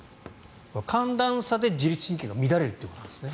寒暖差で自律神経が乱れるということなんですね。